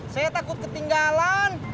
saya takut ketinggalan